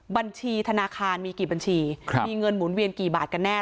บัญชีธนาคารมีกี่บัญชีมีเงินหมุนเวียนกี่บาทกันแน่